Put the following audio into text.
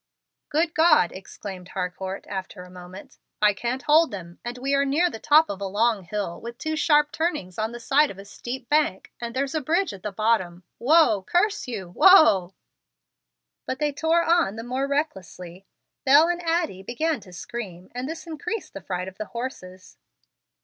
"Good God!" exclaimed Harcourt, after a moment; "I can't hold them, and we are near the top of a long hill with two sharp turnings on the side of a steep bank, and there's a bridge at the bottom. Whoa! curse you, whoa!" But they tore on the more recklessly. Bel and Addie began to scream, and this increased the fright of the horses.